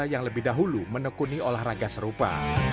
yang lebih dahulu menekuni olahraga serupa